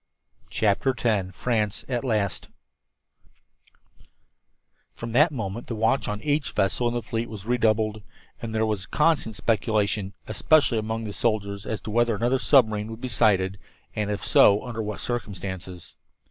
CHAPTER X FRANCE AT LAST From that moment the watch on each vessel in the fleet was redoubled, and there was constant speculation, especially among the soldiers, as to whether another submarine would be sighted, and, if so, under what circumstances.